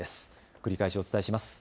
繰り返しお伝えします。